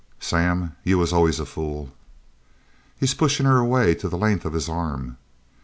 "Sam, you was always a fool!" "He's pushin' her away to the length of his arm."